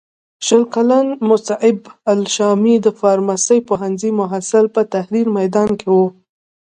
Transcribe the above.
شل کلن مصعب الشامي د فارمسۍ پوهنځي محصل په تحریر میدان کې و.